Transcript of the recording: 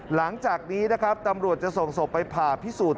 หลังจากนี้นะครับตำรวจจะส่งศพไปผ่าพิสูจน์